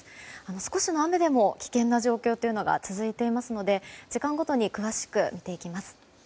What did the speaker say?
少しの雨でも危険な状況というのが続いていますので時間ごとに詳しく見ていきます。